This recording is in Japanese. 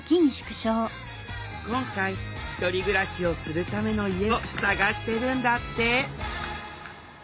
今回ひとり暮らしをするための家を探してるんだって！